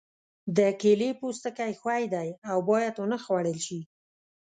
د کیلې پوستکی ښوی دی او باید ونه خوړل شي.